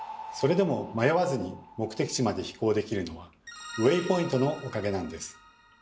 それでも迷わずに目的地まで飛行できるのは「ウェイポイント」のおかげなんです。